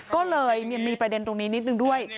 ก็เลยมีประเด็นตรงนี้นิดนึงด้วย